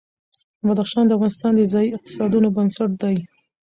بدخشان د افغانستان د ځایي اقتصادونو بنسټ دی.